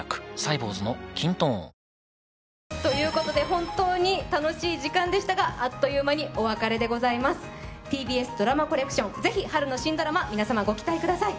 本当に楽しい時間でしたがあっという間にお別れでございます「ＴＢＳＤＲＡＭＡＣＯＬＬＥＣＴＩＯＮ」ぜひ春の新ドラマ皆さまご期待ください